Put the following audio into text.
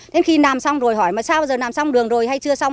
thế khi làm xong rồi hỏi mà sao bao giờ làm xong đường rồi hay chưa xong